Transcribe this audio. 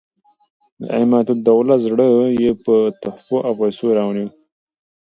د اعتمادالدولة زړه یې په تحفو او پیسو رانیوی.